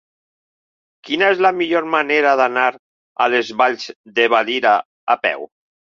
Quina és la millor manera d'anar a les Valls de Valira a peu?